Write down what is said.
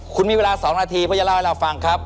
คุณมีเวลา๒นาทีเพื่อจะเล่าให้เราฟังครับ